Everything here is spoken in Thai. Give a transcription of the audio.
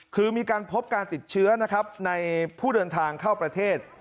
คือมีการพบการติดเชื้อนะครับในผู้เดินทางเข้าประเทศ